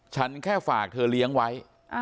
ฉันแค่ฝากเธอเลี้ยงไว้